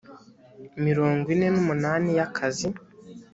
mirongo ine n umunani y akazi